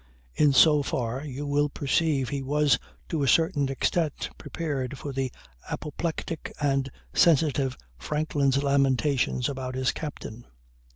. In so far you will perceive he was to a certain extent prepared for the apoplectic and sensitive Franklin's lamentations about his captain.